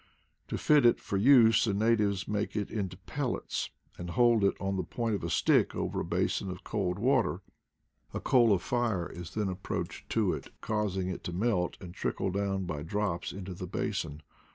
To fit it for use the natives make it into pellets, and hold it on the point of a stick over a basin of cold water; a coal of fire is then approached to it, causing it to melt and trickle down by drops into the basin.